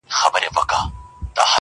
o مـــــه كـــــوه او مـــه اشـــنـــا.